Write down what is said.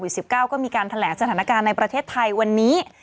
๑๙ก็มีการแถลงสถานการณ์ในประเทศไทยวันนี้